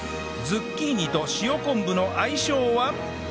ズッキーニと塩昆布の相性は？